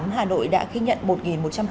hà nội đã ghi nhận